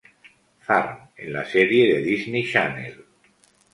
Farm" en la serie de Disney Channel.